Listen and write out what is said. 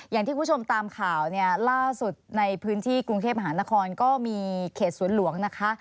อย่างที่คุณผู้ชมตามข่าวเนี่ยล่าสุดในพื้นที่กรุงเทพมหานครก็มีเขตสวนหลวงนะคะ